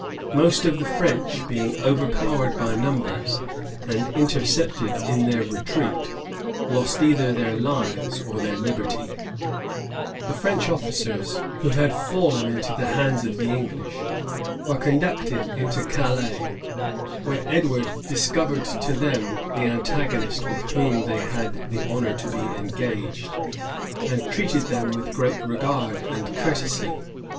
Most of the French, being overpowered by numbers, and intercepted in their retreat, lost either their lives or their liberty.[*] * Froissard, liv. i. chap. 140, 141, 142. The French officers who had fallen into the hands of the English, were conducted into Calais; where Edward discovered to them the antagonist with whom they had had the honor to be engaged, and treated them with great regard and courtesy.